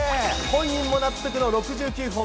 本人も納得の６９本。